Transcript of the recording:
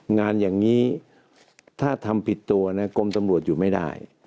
งานอย่างนี้ถ้าทำผิดตัวนะกรมตำรวจอยู่ไม่ได้